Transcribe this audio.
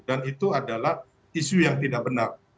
dan itu adalah isu yang tidak benar